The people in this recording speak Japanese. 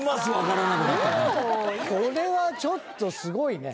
これはちょっとすごいね。